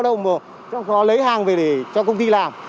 không được cho lấy hàng về để cho công ty làm